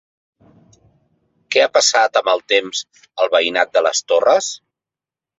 Què ha passat amb el temps al veïnat de les Torres?